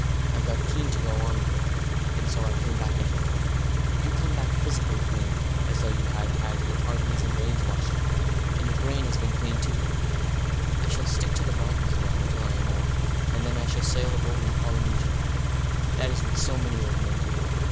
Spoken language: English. I got keen to go on with it, and so I came back into the world. You come back physically clean as though you had had your arteries and veins washed out. And your brain has been cleaned, too.... I shall stick to the mountains now until I am old, and then I shall sail a boat in Polynesia. That is what so many old men do.